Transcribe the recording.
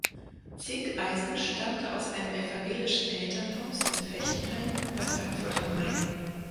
Zinkeisen stammte aus einem evangelischen Elternhaus in Fechenheim bei Frankfurt am Main.